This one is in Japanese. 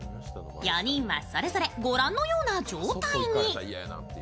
４人は、それぞれ御覧のような状態に。